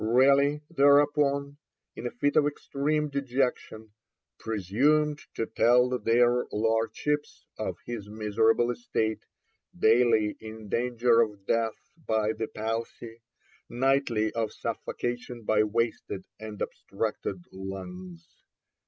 Raleigh thereupon, in a fit of extreme dejection, 'presumed to tell their Lordships of his miserable estate, daily in danger of death by the palsy, nightly of suffocation by wasted and obstructed lungs.'